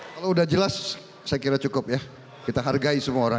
kalau sudah jelas saya kira cukup ya kita hargai semua orang